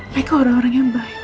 mereka orang orang yang baik